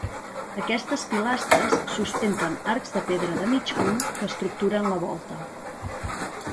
Aquestes pilastres sustenten arcs de pedra de mig punt que estructuren la volta.